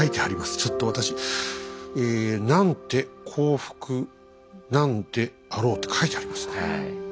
ちょっと私「何ンテ幸福ナノデアロウ」って書いてありますね。